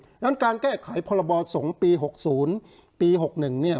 ดังนั้นการแก้ไขพรบอสงศ์ปีหกศูนย์ปีหกหนึ่งเนี่ย